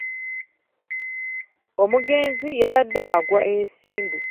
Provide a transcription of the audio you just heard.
Omugenzi yabadde agwa ensimbu.